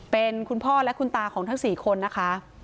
เป็นคุณพ่อและคุณตาของทั้ง๔คนนะคะ